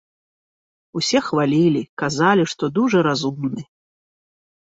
Усе хвалілі, казалі, што дужа разумны.